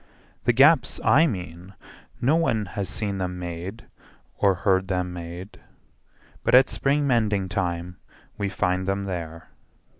The gaps I mean, No one has seen them made or heard them made, But at spring mending time we find them there.